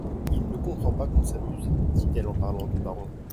Il ne comprend pas qu'on s'amuse, dit-elle en parlant du baron.